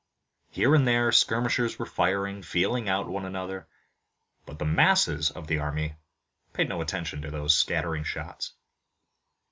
Here and there, skirmishers were firing, feeling out one another, but the masses of the army paid no attention to those scattered shots.